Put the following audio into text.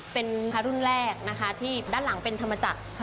เป็นพระรุ่นแรกนะคะที่ด้านหลังเป็นธรรมจักร